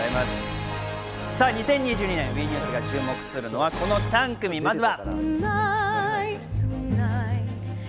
２０２２年、ＷＥニュースが注目するのはこの３組、まずは。